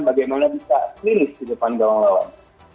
bagaimana bisa finish di depan gawang lawan